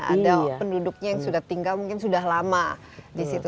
ada penduduknya yang sudah tinggal mungkin sudah lama di situ